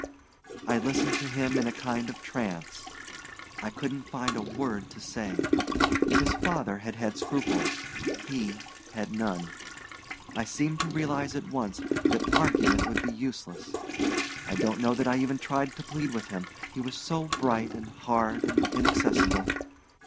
I listened to him in a kind of trance. I couldn't find a word to say. His father had had scruples he had none. I seemed to realize at once that argument would be useless. I don't know that I even tried to plead with him he was so bright and hard and inaccessible!